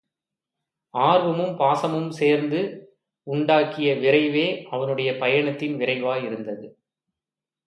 ஆர்வமும் பாசமும் சேர்ந்து உண்டாக்கிய விரைவே அவனுடைய பயணத்தின் விரைவாயிருந்தது.